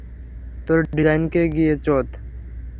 তোর ডিজাইনাকে গিয়ে চোদ।